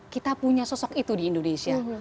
kita punya sosok itu di indonesia